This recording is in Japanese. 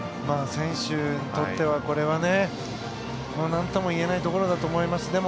選手にとってはこれはなんともいえないところだと思います。